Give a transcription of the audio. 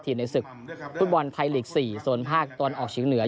ทีนในศึกคุณบอลไทยหลีก๔โซนภาคตอนออกฉีกเหนือ